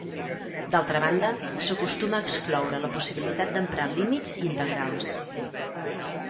D'altra banda, s'acostuma a excloure la possibilitat d'emprar límits i integrals.